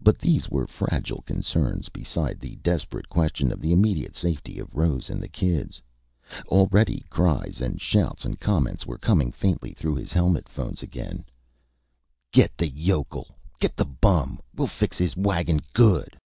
But these were fragile concerns, beside the desperate question of the immediate safety of Rose and the kids.... Already cries and shouts and comments were coming faintly through his helmet phones again: "Get the yokel! Get the bum!... We'll fix his wagon good...."